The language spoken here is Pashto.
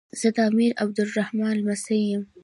زه د امیر عبدالرحمان لمسی یم.